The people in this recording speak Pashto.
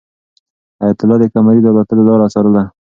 حیات الله د قمرۍ د الوتلو لاره څارله.